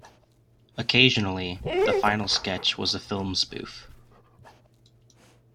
Occasionally, the final sketch was a film spoof.